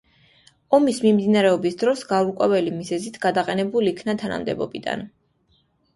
ომის მიმდინარეობის დროს გაურკვეველი მიზეზით გადაყენებულ იქნა თანამდებობიდან.